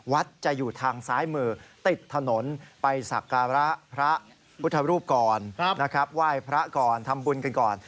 วัดจะอยู่ทางซ้ายมือติดถนนไปศักราพระพุทธรูปกรว่ายพระกรทำบุญกันก่อน